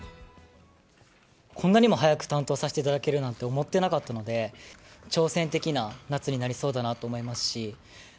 こんなにも早く担当させていただけるなんて思ってなかったので、挑戦的な夏になりそうだなと思いますし。